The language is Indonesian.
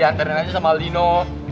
dianterin aja sama alino